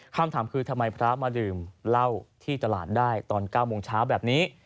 คำถามคือทำไมพระมาดื่มเหล้าที่ตลาดได้ตอน๙โมงเช้าแบบนี้